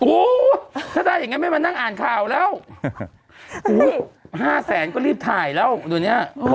โอ้โหถ้าได้อย่างงั้นไม่มานั่งอ่านข่าวแล้วห้าแสนก็รีบถ่ายแล้วเดี๋ยวเนี้ย